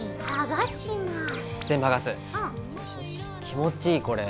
気持ちいいこれ。